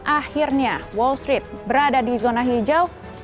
akhirnya wall street berada di zona hijau